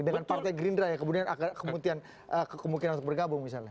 dengan partai green dry kemudian kemungkinan untuk bergabung misalnya